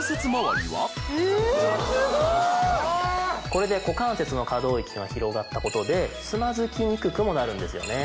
これで股関節の可動域が広がったことでつまずきにくくもなるんですよね。